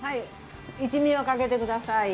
一味をかけてください。